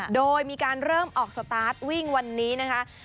โดยมีการเริ่มออกสตาร์ทวิ่งวันนี้นะคะ